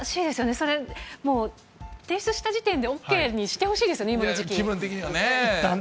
それ、もう提出した時点でＯＫにしてほしいですよね、気分的にはね。